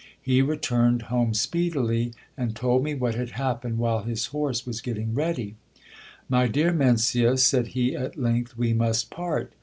He returned home speedily, and told me what had happened while his horse was getting ready. My dear Mencia, said he at length, we must part.